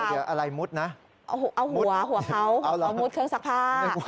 เดี๋ยวอะไรมุดนะเอาหัวหัวเขาเอามุดเครื่องซักผ้า